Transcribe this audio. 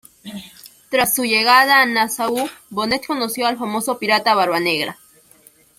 Tras su llegada a Nassau Bonnet conoció al famoso pirata Barbanegra.